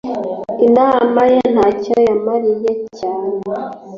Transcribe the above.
inama ye ntacyo yamariye cyane